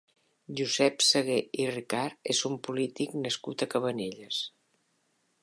Josep Saguer i Ricart és un polític nascut a Cabanelles.